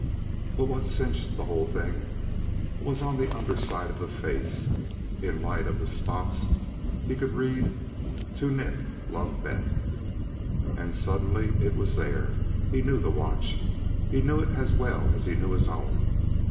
But what cinched the whole thing was on the under side of the face, in the light of the spots, he could read: "To Nick, Love, Beth." And suddenly, it was there! He knew the watch. He knew it as well as he knew his own.